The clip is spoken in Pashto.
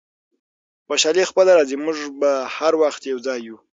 خوشحالي خپله راځي، موږ به هر وخت یو ځای یو.